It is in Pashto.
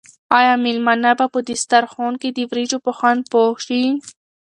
آیا مېلمانه به په دسترخوان کې د وریجو په خوند پوه شي؟